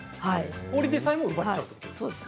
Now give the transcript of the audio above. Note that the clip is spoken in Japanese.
氷でさえも、奪っちゃうと。